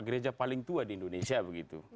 gereja paling tua di indonesia begitu